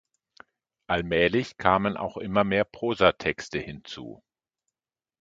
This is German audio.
Allmählich kamen auch immer mehr Prosatexte hinzu.